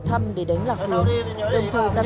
em đi về phòng trọ ạ